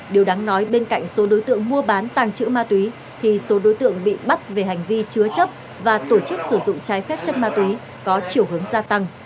điều đáng nói bên cạnh số đối tượng mua bán tàng chữ ma túy thì số đối tượng bị bắt về hành vi chúa chóc và tổ chức sử dụng tái phép chắc ma túy có chiều hướng gia tăng